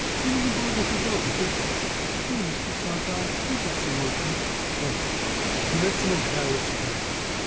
"Didn't even bother to vote in '50." "Here, Mr. Sagdahl, do have some more cake." "Thanks! You met some of Barrett's friends?"